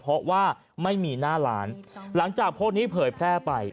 เพราะว่าไม่มีหน้าร้านหลังจากโพสต์นี้เผยแพร่ไป